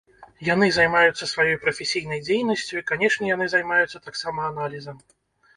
Яны займаюцца сваёй прафесійнай дзейнасцю, і, канечне, яны займаюцца таксама аналізам.